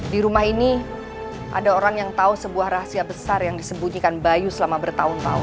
di rumah ini ada orang yang tahu sebuah rahasia besar yang disembunyikan bayu selama bertahun tahun